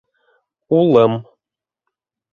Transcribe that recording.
- Улым!